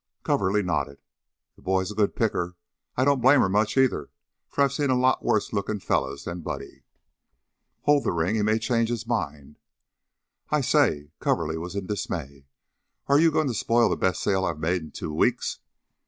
Coverly nodded. "The boy is a good picker. I don't blame her much, either, for I've seen a lot of worse looking fellows than Buddy." "Hold the ring. He may change his mind." "I say!" Coverly was in dismay. "Are you going to spoil the best sale I've made in two weeks?"